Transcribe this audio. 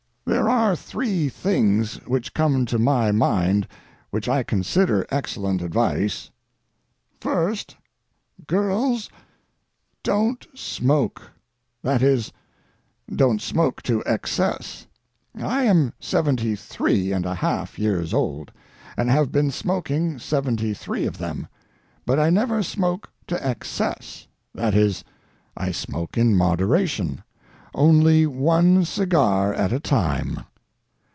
There are three things which come to my mind which I consider excellent advice: First, girls, don't smoke—that is, don't smoke to excess. I am seventy three and a half years old, and have been smoking seventy three of them. But I never smoke to excess—that is, I smoke in moderation, only one cigar at a time.